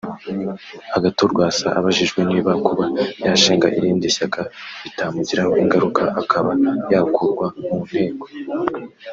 Agathon Rwasa abajijwe niba kuba yashinga irindi shyaka bitamugiraho ingaruka akaba yakurwa mu nteko